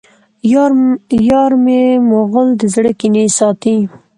یارمی مغل د زړه کینې ساتي